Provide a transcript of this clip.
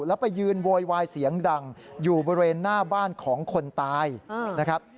แล้วไปยืนโวยวายเสียงดังอยู่บริเวณหน้าบ้านของคนตายนะครับ